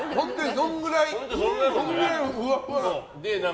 そのくらいふわふわ。